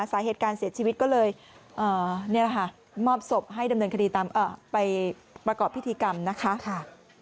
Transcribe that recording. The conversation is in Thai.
สาเหตุการเสียชีวิตก็เลยนี่แหละค่ะมอบศพให้ดำเนินคดีตามไปประกอบพิธีกรรมนะคะ